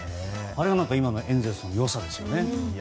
あれが今のエンゼルスの良さですよね。